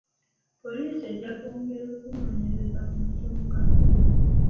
Poliisi ejja kwongera okunoonyereza ku nsonga.